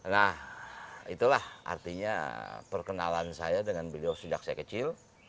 nah itulah artinya perkenalan saya dengan beliau sejak saya kecil